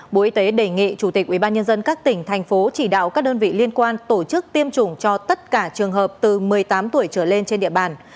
bộ y tế đề nghị chủ tịch ubnd các tỉnh thành phố chỉ đạo các đơn vị liên quan tổ chức tiêm chủng cho tất cả trường hợp từ một mươi tám tuổi trở lên trên địa bàn